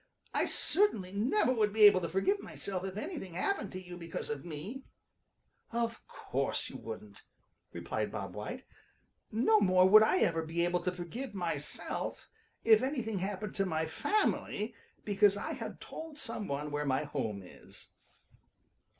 I certainly never would be able to forgive myself if anything happened to you because of me." "Of course you wouldn't," replied Bob White. "No more would I ever be able to forgive myself if anything happened to my family because I had told some one where my home is."